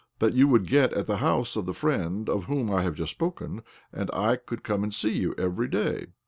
That you would get at the house of the friend of whom I have just spoken ; and I could come to see you every day."